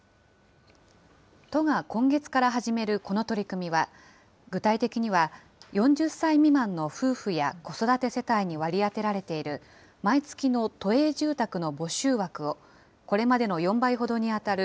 都が今月から始めるこの取り組みは、具体的には、４０歳未満の夫婦や子育て世帯に割り当てられている、毎月の都営住宅の募集枠を、これまでの４倍ほどに当たる